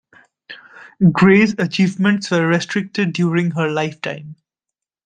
Gray's achievements were restricted during her lifetime.